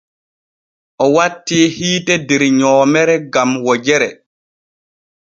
O wattii hiite der nyoomere gam wojere.